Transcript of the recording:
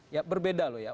ya berbeda loh ya